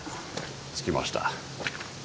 着きました。